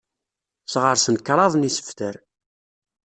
Sɣersen kraḍ n yisebtar.